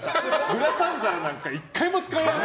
グラタン皿なんて１回も使ってない！